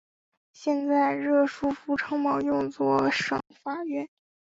现在热舒夫城堡用作省法院。